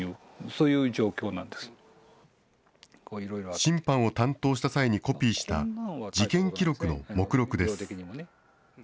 審判を担当した際にコピーした、事件記録の目録です。